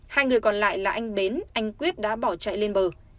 hai người còn lại là anh bến anh quyết đã bỏ chạy lên bờ